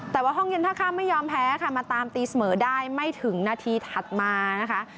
แต่ว่าห้องเย็นท่าข้ามไม่ยอมแพ้ค่ะมาตามตีเสมอได้ไม่ถึงนาทีถัดมานะคะ